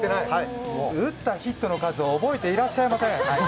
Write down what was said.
打ったヒットの数を覚えてらっしゃいません。